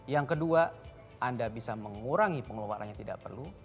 yang kedua anda bisa mengurangi pengeluaran yang tidak perlu